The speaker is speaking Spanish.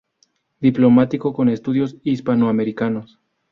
Diplomático con estudios hispanoamericanos.